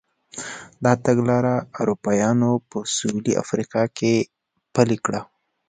دا تګلاره اروپایانو په سوېلي افریقا کې پلې کړه.